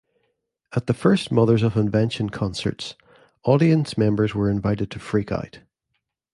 At the first Mothers of Invention concerts, audience members were invited to freak out!